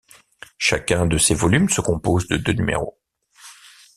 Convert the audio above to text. Chacun de ces volumes se compose de deux numéros.